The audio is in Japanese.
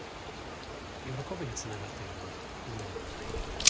喜びにつながってるものでもない。